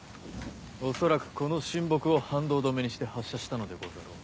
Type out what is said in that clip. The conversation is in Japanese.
恐らくこの神木を反動止めにして発射したのでござろう。